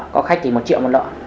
có khách thì một triệu một lọ